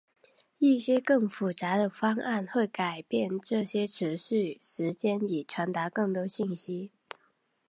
一些更复杂的方案会改变这些持续时间以传达更多信息。